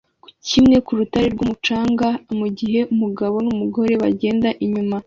kimwe ku rutare rwumucanga mugihe umugabo numugore bagenda inyuma